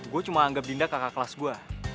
gue cuma anggap dinda kakak kelas gue